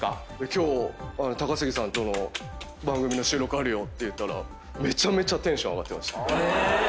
今日高杉さんとの番組の収録あるよって言ったらめちゃめちゃテンション上がってました。